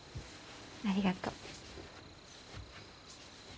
ありがとう。